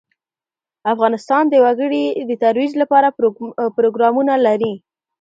افغانستان د وګړي د ترویج لپاره پروګرامونه لري.